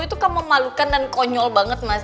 itu kan memalukan dan konyol banget mas